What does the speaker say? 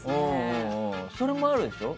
それもあるでしょ。